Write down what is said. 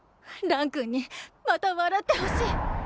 蘭君にまた笑ってほしい！